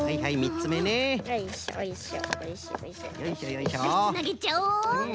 よしつなげちゃおう！